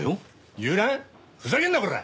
ふざけんなコラ！